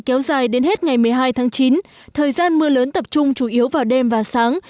kéo dài đến hết ngày một mươi hai tháng chín thời gian mưa lớn tập trung chủ yếu vào đêm và sáng